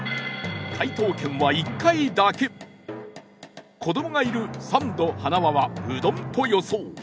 解答権は、１回だけ子どもがいるサンド、塙はうどんと予想